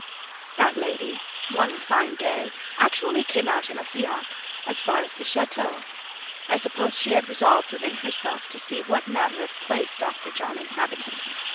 That lady—one fine day—actually came out in a fiacre as far as the château. I suppose she had resolved within herself to see what manner of place Dr. John inhabited.